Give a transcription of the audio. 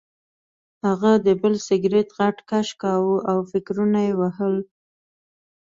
هغه ډبل سګرټ غټ کش کاوه او فکرونه یې وهل